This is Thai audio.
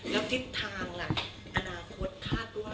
แล้วทิศทางล่ะอนาคตคาดว่า